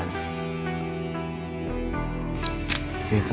itu dia tuh